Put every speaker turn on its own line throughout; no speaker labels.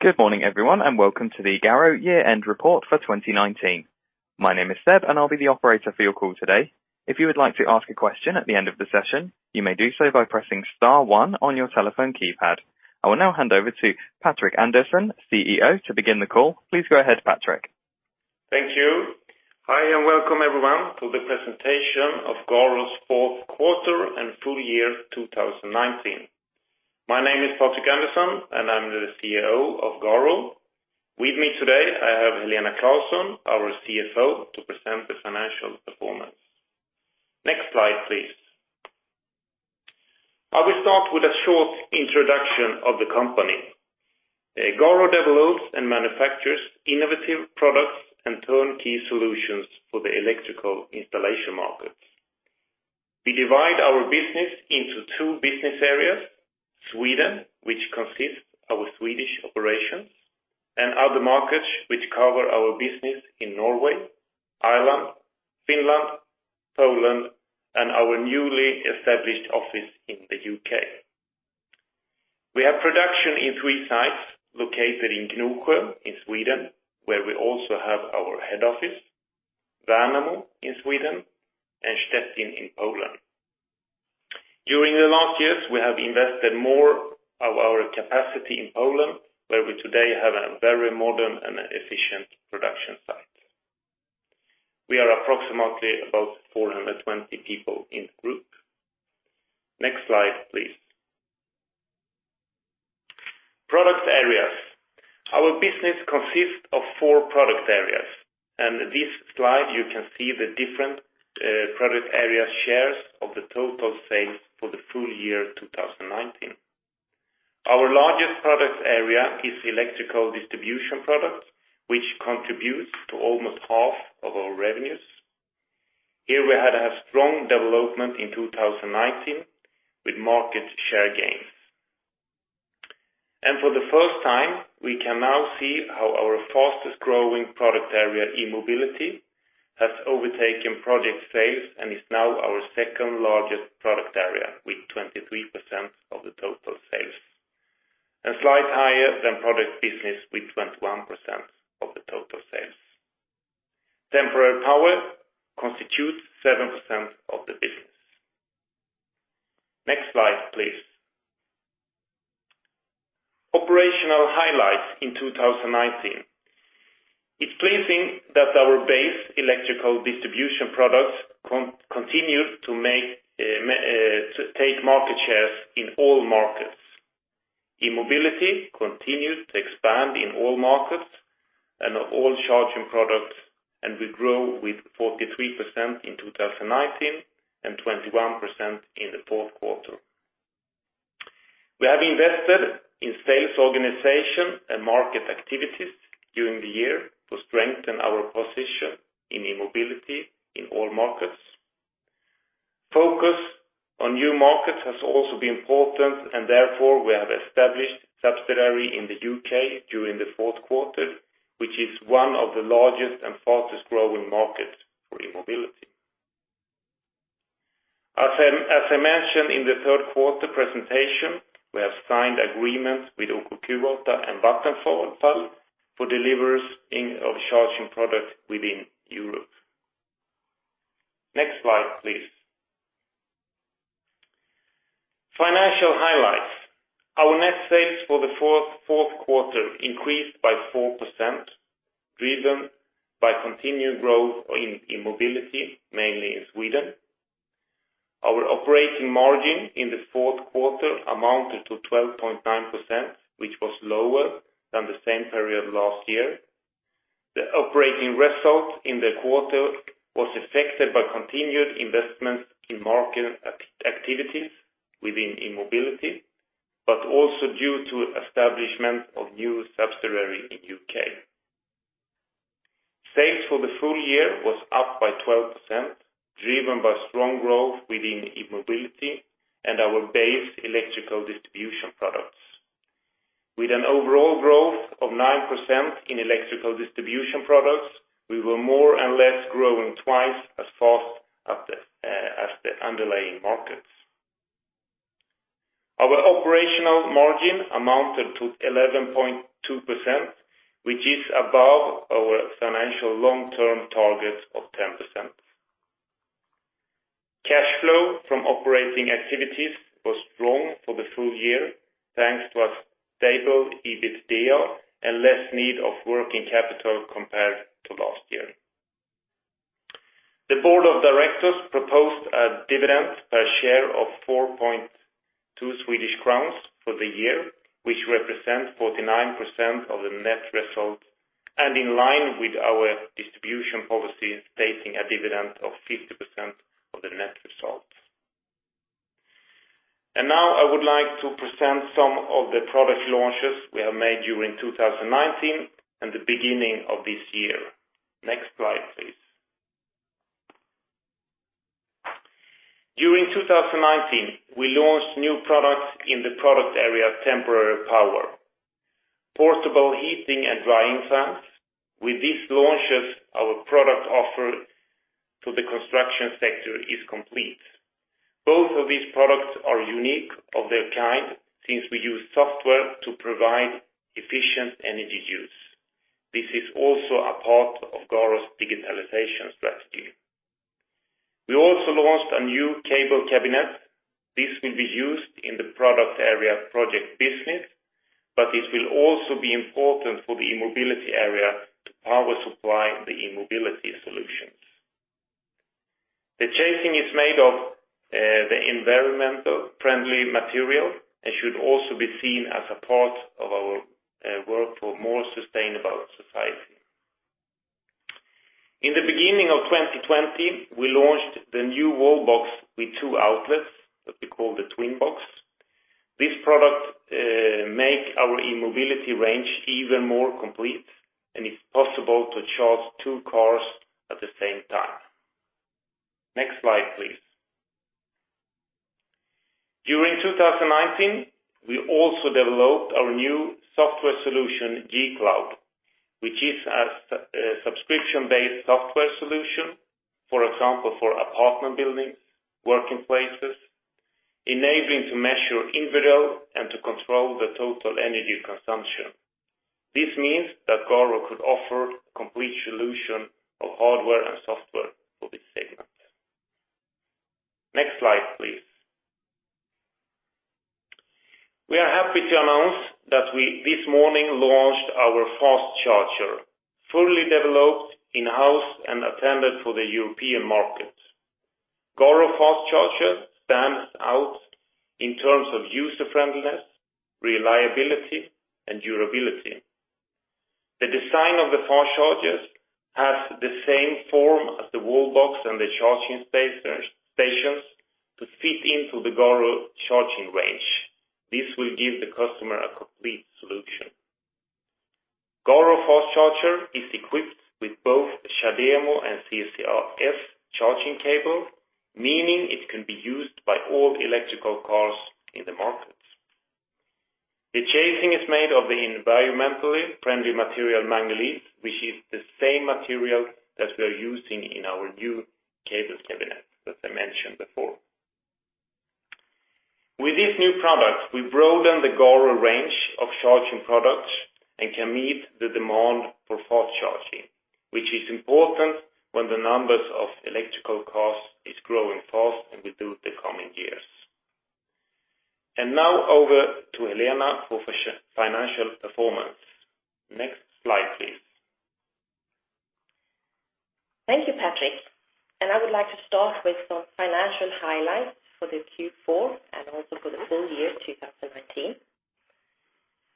Good morning, everyone, and welcome to the GARO Year-End Report for 2019. My name is Seb, and I'll be the operator for your call today. If you would like to ask a question at the end of the session, you may do so by pressing star one on your telephone keypad. I will now hand over to Patrik Andersson, CEO, to begin the call. Please go ahead, Patrik.
Thank you. Hi, and welcome, everyone, to the presentation of GARO's fourth quarter and full year 2019. My name is Patrik Andersson, and I'm the CEO of GARO. With me today, I have Helena Claesson, our CFO, to present the financial performance. Next slide, please. I will start with a short introduction of the company. GARO develops and manufactures innovative products and turnkey solutions for the electrical installation markets. We divide our business into two business areas, Sweden, which consists our Swedish operations, and other markets, which cover our business in Norway, Ireland, Finland, Poland, and our newly established office in the U.K. We have production in three sites located in Gnosjö in Sweden, where we also have our head office, Värnamo in Sweden, and Szczecin in Poland. During the last years, we have invested more of our capacity in Poland, where we today have a very modern and efficient production site. We are approximately about 420 people in the group. Next slide, please. Product areas. Our business consists of four product areas, and this slide, you can see the different product area shares of the total sales for the full year 2019. Our largest product area is electrical distribution products, which contributes to almost half of our revenues. Here we had a strong development in 2019 with market share gains. And for the first time, we can now see how our fastest-growing product area, E-mobility, has overtaken project sales and is now our second largest product area, with 23% of the total sales, and slightly higher than project business, with 21% of the total sales. Temporary power constitutes 7% of the business. Next slide, please. Operational highlights in 2019. It's pleasing that our base electrical distribution products continue to take market shares in all markets. E-mobility continued to expand in all markets and all charging products, and we grow with 43% in 2019, and 21% in the fourth quarter. We have invested in sales organization and market activities during the year to strengthen our position in E-mobility in all markets. Focus on new markets has also been important, and therefore, we have established subsidiary in the U.K. during the fourth quarter, which is one of the largest and fastest growing markets for E-mobility. As I mentioned in the third quarter presentation, we have signed agreements with OKQ8 and Vattenfall for deliveries of charging products within Europe. Next slide, please. Financial highlights. Our net sales for the fourth quarter increased by 4%, driven by continued growth in E-mobility, mainly in Sweden. Our operating margin in the fourth quarter amounted to 12.9%, which was lower than the same period last year. The operating result in the quarter was affected by continued investments in market activities within E-mobility, but also due to establishment of new subsidiary in U.K. Sales for the full year was up by 12%, driven by strong growth within E-mobility and our base electrical distribution products. With an overall growth of 9% in electrical distribution products, we were more and less growing twice as fast as the underlying markets. Our operational margin amounted to 11.2%, which is above our financial long-term targets of 10%. Cash flow from operating activities was strong for the full year, thanks to a stable EBITDA and less need of working capital compared to last year. The board of directors proposed a dividend per share of 4.2 Swedish crowns for the year, which represents 49% of the net result, and in line with our distribution policy, taking a dividend of 50% of the net result. Now I would like to present some of the product launches we have made during 2019 and the beginning of this year. Next slide, please. During 2019, we launched new products in the product area, temporary power, portable heating, and drying fans. With these launches, our product offer to the construction sector is complete. Both of these products are unique of their kind, since we use software to provide efficient energy use. This is also a part of GARO's digitalization strategy. We also launched a new cable cabinet. This will be used in the product area project business, but it will also be important for the E-mobility area to power supply the E-mobility solutions. The casing is made of the environmentally friendly material, and should also be seen as a part of our work for more sustainable society. In the beginning of 2020, we launched the new wall box with two outlets, that we call the Twin box. This product make our E-mobility range even more complete, and it's possible to charge two cars at the same time. Next slide, please. During 2019, we also developed our new software solution, G-Cloud, which is a subscription-based software solution, for example, for apartment buildings, working places, enabling to measure individual and to control the total energy consumption. This means that GARO could offer complete solution of hardware and software for this segment. Next slide, please. We are happy to announce that we, this morning, launched our fast charger, fully developed in-house and intended for the European market. GARO Fast Charger stands out in terms of user-friendliness, reliability, and durability. The design of the fast chargers has the same form as the wall box and the charging stations to fit into the GARO charging range. This will give the customer a complete solution. GARO Fast Charger is equipped with both the CHAdeMO and CCS charging cable, meaning it can be used by all electrical cars in the market. The casing is made of the environmentally friendly material, Magnelis, which is the same material that we are using in our new cable cabinet, that I mentioned before. With this new product, we broaden the GARO range of charging products, and can meet the demand for fast charging, which is important when the numbers of electrical cars is growing fast, and will do the coming years. And now over to Helena for financial performance. Next slide, please.
Thank you, Patrik, and I would like to start with some financial highlights for the Q4, and also for the full year 2019.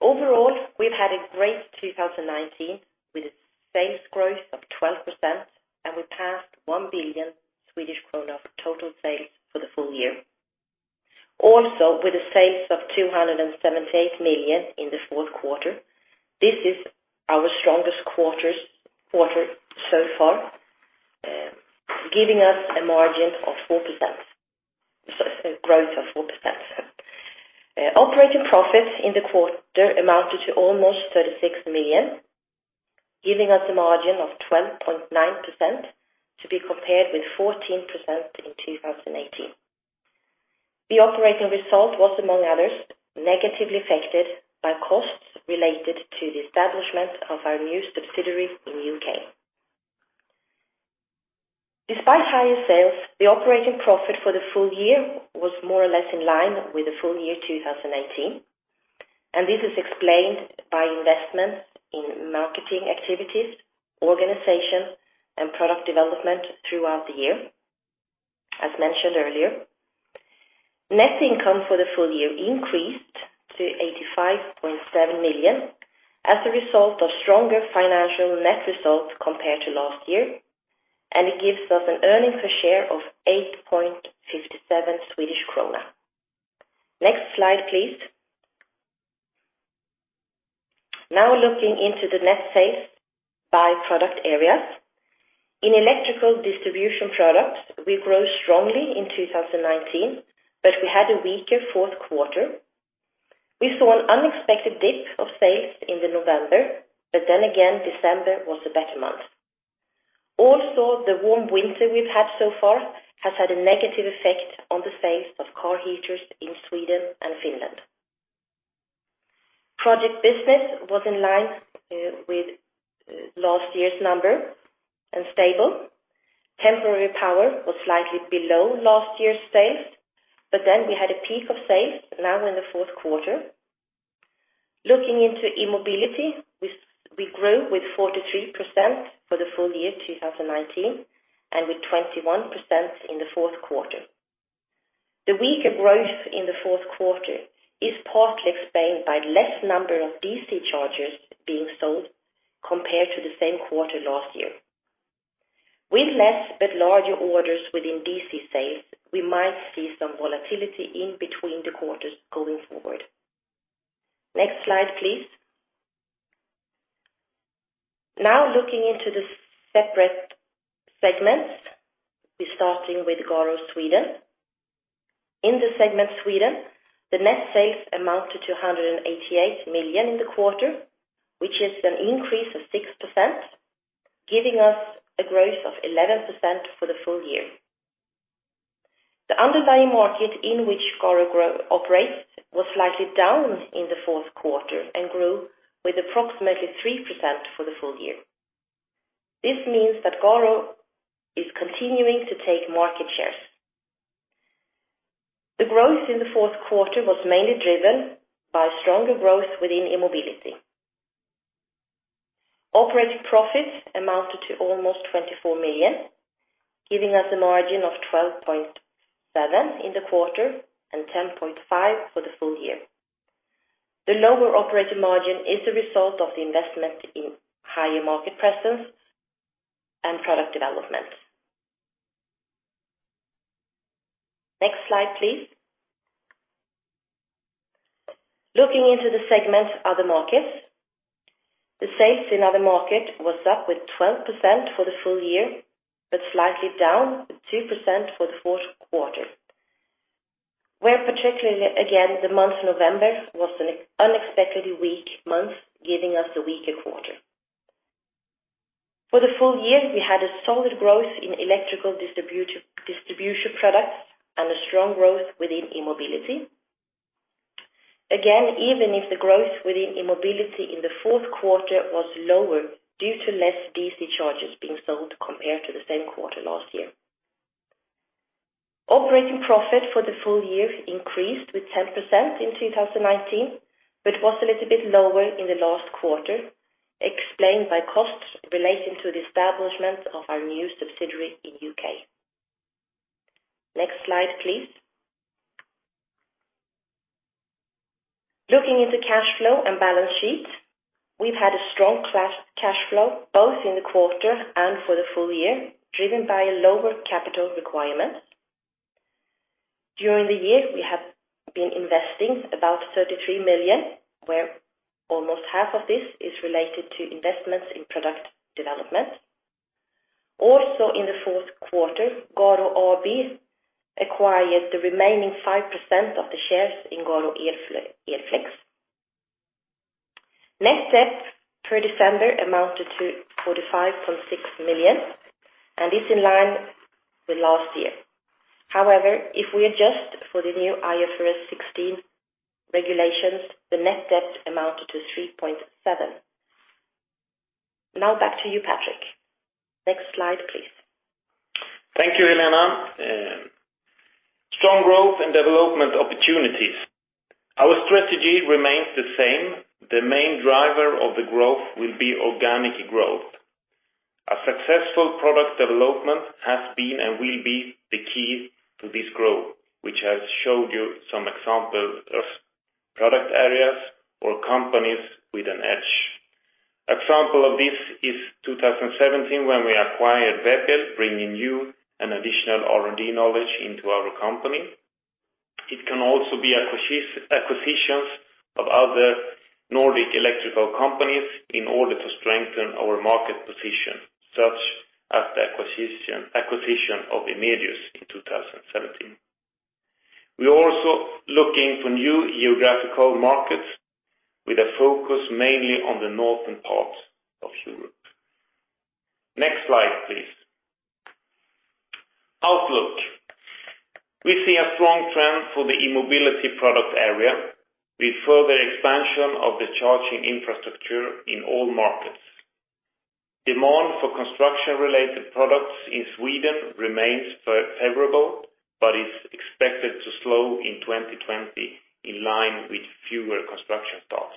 Overall, we've had a great 2019, with a sales growth of 12%, and we passed 1 billion Swedish krona for total sales for the full year. Also, with sales of 278 million in the fourth quarter, this is our strongest quarter so far, giving us a margin of 4%, so a growth of 4%. Operating profits in the quarter amounted to almost 36 million, giving us a margin of 12.9% to be compared with 14% in 2018. The operating result was, among others, negatively affected by costs related to the establishment of our new subsidiary in U.K. Despite higher sales, the operating profit for the full year was more or less in line with the full year 2018, and this is explained by investments in marketing activities, organization, and product development throughout the year, as mentioned earlier. Net income for the full year increased to 85.7 million, as a result of stronger financial net results compared to last year, and it gives us an earnings per share of 8.57 SEK. Next slide, please. Now, looking into the net sales by product areas. In electrical distribution products, we grew strongly in 2019, but we had a weaker fourth quarter. We saw an unexpected dip in sales in November, but then again, December was a better month. Also, the warm winter we've had so far has had a negative effect on the sales of car heaters in Sweden and Finland. Project business was in line with last year's number, and stable. Temporary power was slightly below last year's sales, but then we had a peak of sales now in the fourth quarter. Looking into E-mobility, we grew with 43% for the full year 2019, and with 21% in the fourth quarter. The weaker growth in the fourth quarter is partly explained by less number of DC chargers being sold, compared to the same quarter last year. With less but larger orders within DC sales, we might see some volatility in between the quarters going forward. Next slide, please. Now, looking into the separate segments, we're starting with GARO Sweden. In the segment Sweden, net sales amounted to 288 million in the quarter, which is an increase of 6%.... giving us a growth of 11% for the full year. The underlying market in which GARO Group operates was slightly down in the fourth quarter and grew with approximately 3% for the full year. This means that GARO is continuing to take market shares. The growth in the fourth quarter was mainly driven by stronger growth within E-mobility. Operating profits amounted to almost 24 million, giving us a margin of 12.7% in the quarter, and 10.5% for the full year. The lower operating margin is a result of the investment in higher market presence and product development. Next slide, please. Looking into the segment Other Markets, the sales in other markets was up with 12% for the full year, but slightly down with 2% for the fourth quarter, where particularly again, the month November was an unexpectedly weak month, giving us a weaker quarter. For the full year, we had a solid growth in electrical distribution products and a strong growth within E-mobility. Again, even if the growth within E-mobility in the fourth quarter was lower, due to less DC chargers being sold compared to the same quarter last year. Operating profit for the full year increased with 10% in 2019, but was a little bit lower in the last quarter, explained by costs relating to the establishment of our new subsidiary in U.K. Next slide, please. Looking into cash flow and balance sheet, we've had a strong cash flow, both in the quarter and for the full year, driven by a lower capital requirement. During the year, we have been investing about 33 million, where almost half of this is related to investments in product development. Also, in the fourth quarter, GARO AB acquired the remaining 5% of the shares in GARO Elflex. Net debt per December amounted to 45.6 million, and is in line with last year. However, if we adjust for the new IFRS 16 regulations, the net debt amounted to 3.7 million. Now back to you, Patrik. Next slide, please.
Thank you, Helena. Strong growth and development opportunities. Our strategy remains the same. The main driver of the growth will be organic growth. A successful product development has been and will be the key to this growth, which I showed you some examples of product areas or companies with an edge. Example of this is 2017, when we acquired WEB-EL, bringing new and additional R&D knowledge into our company. It can also be acquisitions of other Nordic electrical companies in order to strengthen our market position, such as the acquisition of Emedius in 2017. We are also looking for new geographical markets with a focus mainly on the northern part of Europe. Next slide, please. Outlook. We see a strong trend for the E-mobility product area with further expansion of the charging infrastructure in all markets. Demand for construction-related products in Sweden remains favorable, but is expected to slow in 2020, in line with fewer construction starts.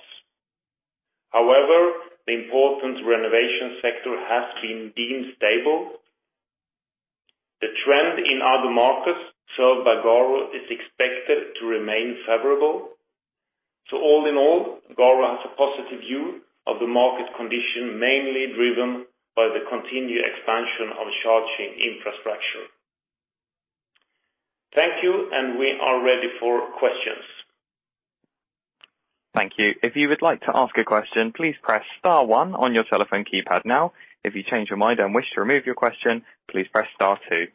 However, the important renovation sector has been deemed stable. The trend in other markets served by GARO is expected to remain favorable. So all in all, GARO has a positive view of the market condition, mainly driven by the continued expansion of charging infrastructure. Thank you, and we are ready for questions.
Thank you. If you would like to ask a question, please press star one on your telephone keypad now. If you change your mind and wish to remove your question, please press star two.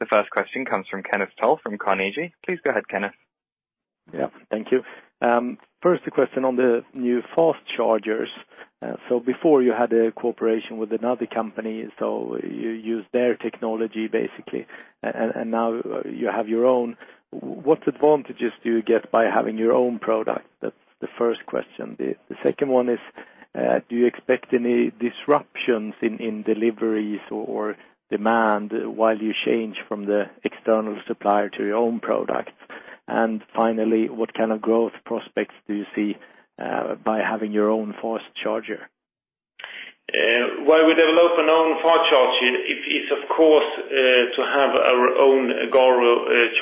The first question comes from Kenneth Toll from Carnegie. Please go ahead, Kenneth.
Yeah. Thank you. First, a question on the new fast chargers. So before you had a cooperation with another company, so you used their technology, basically, and now you have your own. What advantages do you get by having your own product? That's the first question. The second one is, do you expect any disruptions in deliveries or demand while you change from the external supplier to your own product? And finally, what kind of growth prospects do you see by having your own fast charger?
Why we develop an own fast charger, it's of course to have our own GARO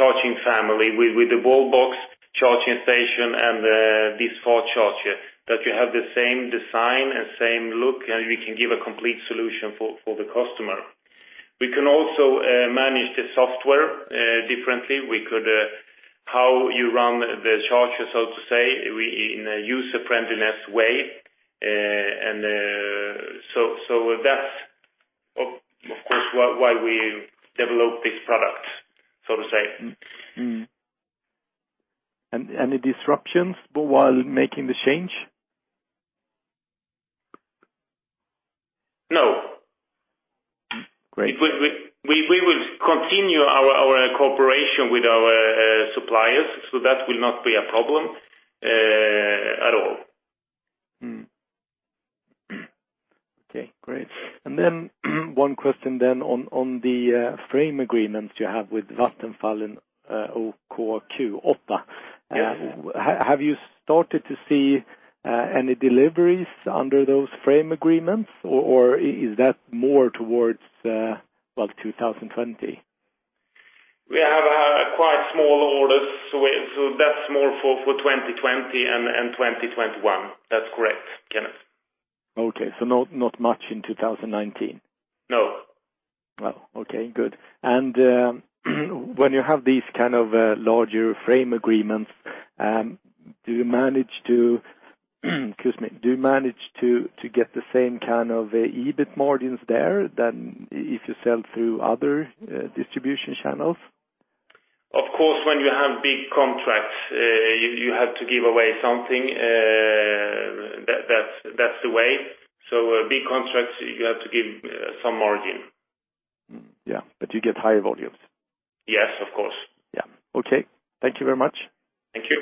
charging family with the wall box charging station and this fast charger, that you have the same design and same look, and we can give a complete solution for the customer. We can also manage the software differently. We could how you run the charger, so to say, we in a user-friendliness way, and so that's of course why we develop this product, so to say.
Any disruptions while making the change?
No.
Great.
We will continue our cooperation with our suppliers, so that will not be a problem at all.
Okay, great. And then one question then on, on the frame agreements you have with Vattenfall, OKQ8.
Yes.
Have you started to see any deliveries under those frame agreements, or is that more towards well, 2020?
We have quite small orders, so that's more for 2020 and 2021. That's correct, Kenneth.
Okay. So not, not much in 2019?
No.
Well, okay, good. And when you have these kind of larger framework agreements, do you manage to, excuse me, do you manage to get the same kind of EBIT margins there than if you sell through other distribution channels?
Of course, when you have big contracts, you have to give away something, that's the way. So, big contracts, you have to give some margin.
Yeah, but you get higher volumes.
Yes, of course.
Yeah. Okay. Thank you very much.
Thank you.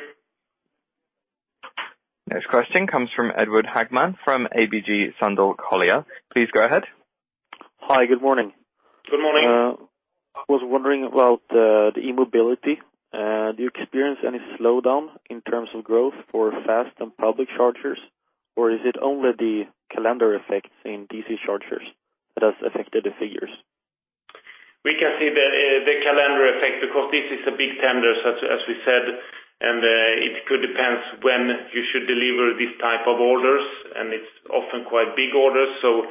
Next question comes from Edvard Hagman, from ABG Sundal Collier. Please go ahead.
Hi, good morning.
Good morning.
I was wondering about the E-mobility. Do you experience any slowdown in terms of growth for fast and public chargers? Or is it only the calendar effects in DC chargers that has affected the figures?
We can see the calendar effect, because this is a big tender, as we said, and it could depends when you should deliver these type of orders, and it's often quite big orders. So,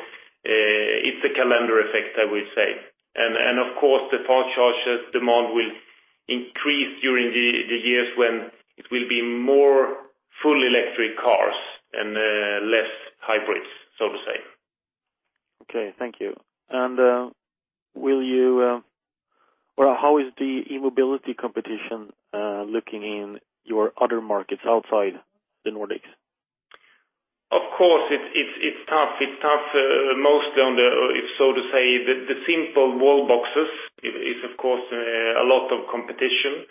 it's a calendar effect, I would say. And of course, the fast chargers demand will increase during the years when it will be more fully electric cars and less hybrids, so to say.
Okay, thank you. How is the E-mobility competition looking in your other markets outside the Nordics?
Of course, it's tough, mostly on the simple wall boxes, so to say, of course, a lot of competition.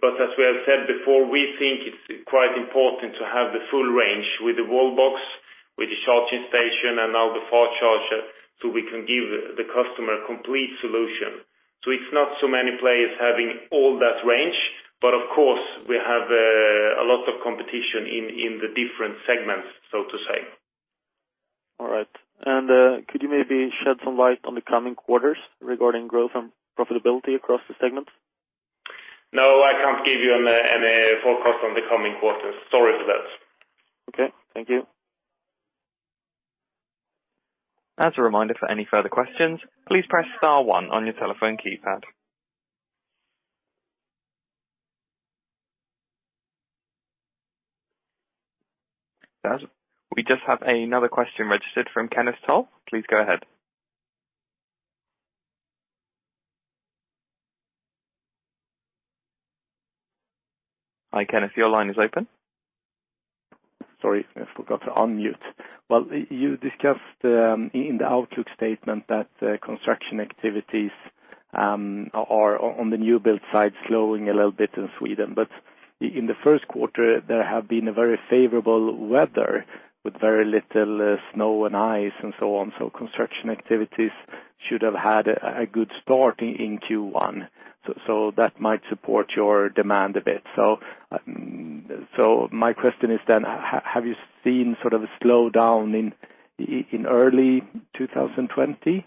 But as we have said before, we think it's quite important to have the full range with the wall box, with the charging station, and now the fast charger, so we can give the customer a complete solution. So it's not so many players having all that range, but of course, we have a lot of competition in the different segments, so to say.
All right. Could you maybe shed some light on the coming quarters regarding growth and profitability across the segments?
No, I can't give you any forecast on the coming quarters. Sorry for that.
Okay, thank you.
As a reminder, for any further questions, please press star one on your telephone keypad. We just have another question registered from Kenneth Toll. Please go ahead. Hi, Kenneth, your line is open.
Sorry, I forgot to unmute. Well, you discussed in the outlook statement that construction activities are on the new build side, slowing a little bit in Sweden. But in the first quarter, there have been a very favorable weather, with very little snow and ice, and so on. So construction activities should have had a good start in Q1. So my question is then, have you seen sort of a slowdown in early 2020?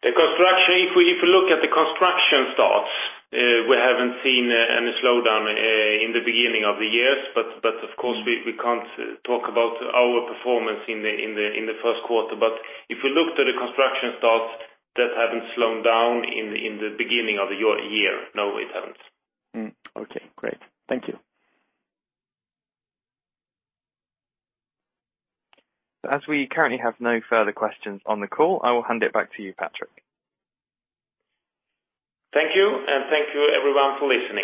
The construction. If we, if you look at the construction starts, we haven't seen any slowdown, in the beginning of the years. But, but of course, we, we can't talk about our performance in the, in the, in the first quarter. But if you look to the construction starts, that haven't slowed down in the, in the beginning of the year, no, it hasn't.
Okay, great. Thank you.
As we currently have no further questions on the call, I will hand it back to you, Patrik.
Thank you, and thank you everyone for listening.